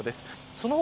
その他